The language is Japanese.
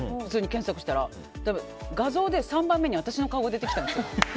検索したら画像で３番目に私の顔が出てきたんですよ。